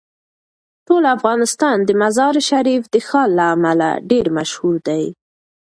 ټول افغانستان د مزارشریف د ښار له امله ډیر مشهور دی.